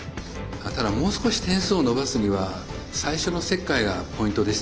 ただもう少し点数を伸ばすには最初の切開がポイントでしたね。